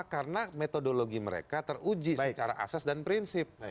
karena metodologi mereka teruji secara asas dan prinsip